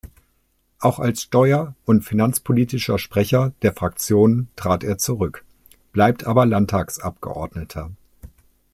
Auch als steuer- und finanzpolitischer Sprecher der Fraktion trat er zurück, bleibt aber Landtags-Abgeordneter.